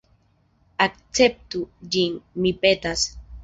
Akceptu ĝin, mi petas!